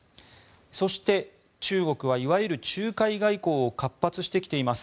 そして、中国はいわゆる仲介外交を活発してきています。